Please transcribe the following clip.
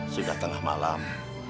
sudah tengah malam